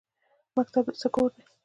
مکتب د څه کور دی؟